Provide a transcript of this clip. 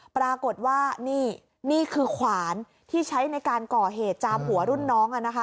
ปรากฏว่านี่นี่คือขวานที่ใช้ในการก่อเหตุจามหัวรุ่นน้อง